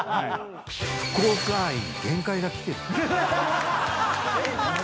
福岡愛に限界がきてるよ。